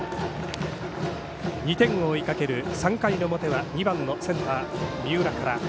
２点を追いかける３回の表は２番のセンター、三浦から。